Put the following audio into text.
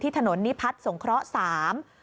ที่ถนนนิพัทสงเคราะห์๓